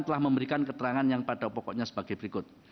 telah memberikan keterangan yang pada pokoknya sebagai berikut